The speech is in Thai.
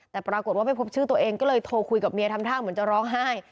แต่ปรากฏว่าไม่พบชื่อตัวเองก็เลยโทรคุยกับเมียทำท่าเหมือนจะร้องไห้